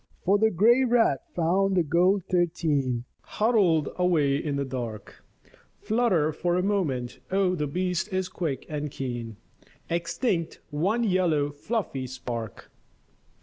For the grey rat found the gold thirteen Huddled away in the dark, Flutter for a moment, oh the beast is quick and keen, Extinct one yellow fluffy spark.